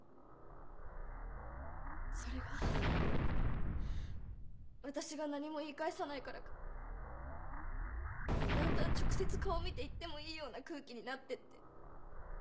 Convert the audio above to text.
それが私が何も言い返さないからかだんだん直接顔見て言ってもいいような空気になってって。